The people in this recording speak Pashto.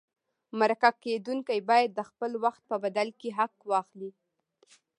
مرکه کېدونکی باید د خپل وخت په بدل کې حق واخلي.